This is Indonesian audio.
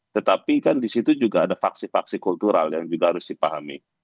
tetapi kan di situ juga ada faksi faksi kultural yang juga harus dipahami